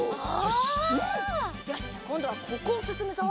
よしこんどはここをすすむぞ。